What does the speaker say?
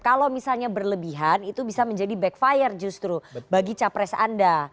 kalau misalnya berlebihan itu bisa menjadi backfire justru bagi capres anda